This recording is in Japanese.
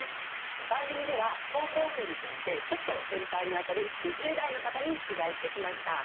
番組では高校生にとってちょっと先輩にあたる２０代の方に取材してきました。